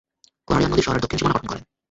Clarion নদী শহরের দক্ষিণ সীমানা গঠন করে।